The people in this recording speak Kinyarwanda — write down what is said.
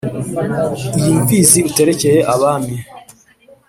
Iyi Mfizi uterekeye Abami